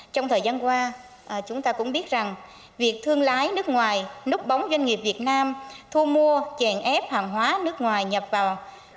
trong thời gian qua chúng ta cũng biết rằng việc thương lái nước ngoài núp bóng doanh nghiệp việt nam